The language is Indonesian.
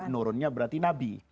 nurunnya berarti nabi